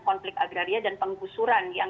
konflik agraria dan penggusuran yang